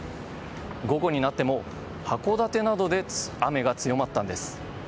午後になっても函館などで雨が強まったんです。